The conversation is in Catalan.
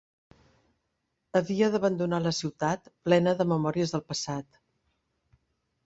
Havia d'abandonar la ciutat, plena de memòries del passat.